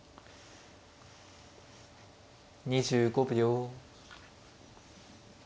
２５秒。